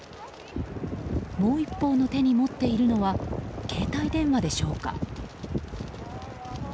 もう一方の手に持っているのは携帯電話でしょうか。